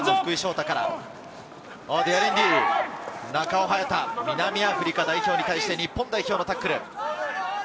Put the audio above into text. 大から南アフリカ代表に対して、日本代表のタックル。